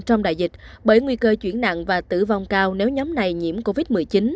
trong đại dịch bởi nguy cơ chuyển nặng và tử vong cao nếu nhóm này nhiễm covid một mươi chín